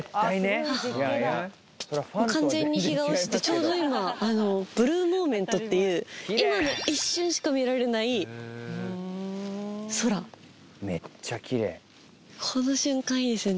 完全に日が落ちてちょうど今ブルーモーメントっていう今の一瞬しか見られない空この瞬間いいですよね